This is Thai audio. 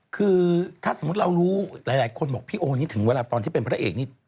คือถ้าสมมุติเรารู้หลายคนบอกพี่โอนี่ถึงเวลาตอนที่เป็นพระเอกนี่